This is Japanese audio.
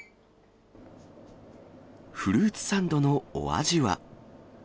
フルーツサンドのお味は？